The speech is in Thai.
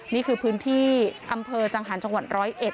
นี่คือพื้นที่อำเภอจังหาญจังหวัน๑๐๑